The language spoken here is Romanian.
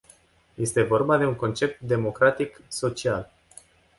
Este vorba de un concept democratic social.